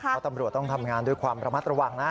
เพราะตำรวจต้องทำงานด้วยความระมัดระวังนะ